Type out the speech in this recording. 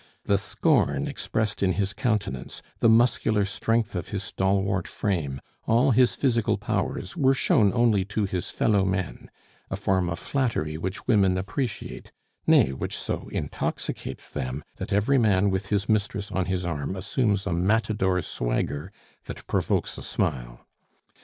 The scorn expressed in his countenance, the muscular strength of his stalwart frame, all his physical powers were shown only to his fellow men; a form of flattery which women appreciate, nay, which so intoxicates them, that every man with his mistress on his arm assumes a matador swagger that provokes a smile.